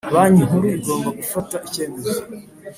Banki Nkuru igomba gufata icyemezo.